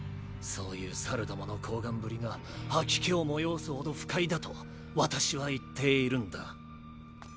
そういう猿どもの厚顔ぶりが吐き気を催すほど不快だと私は言っているんだ。